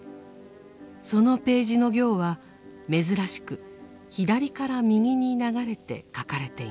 そのページの行は珍しく左から右に流れて書かれています。